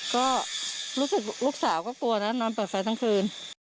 ก็ลูกสาวก็กลัวนะนอนเปิดไฟทั้งคืน